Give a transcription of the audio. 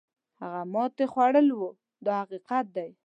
هغه ماتې خوړل وو دا حقیقت دی.